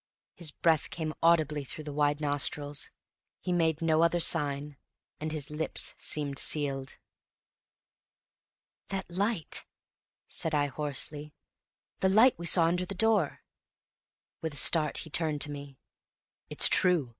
His breath came audibly through wide nostrils; he made no other sign, and his lips seemed sealed. "That light!" said I, hoarsely; "the light we saw under the door!" With a start he turned to me. "It's true!